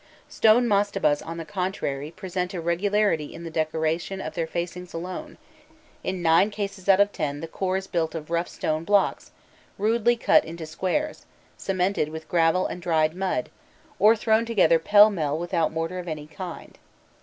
Stone mastabas, on the contrary, present a regularity in the decoration of their facings alone; in nine cases out of ten the core is built of rough stone blocks, rudely cut into squares, cemented with gravel and dried mud, or thrown together pell mell without mortar of any kind.